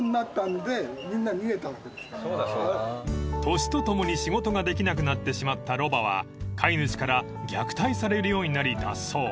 ［年とともに仕事ができなくなってしまったロバは飼い主から虐待されるようになり脱走］